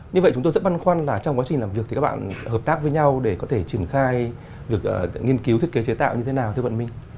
như vậy chúng tôi rất băn khoăn là trong quá trình làm việc thì các bạn hợp tác với nhau để có thể triển khai việc nghiên cứu thiết kế chế tạo như thế nào thưa vợ minh